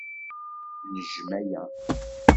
Nejjem aya.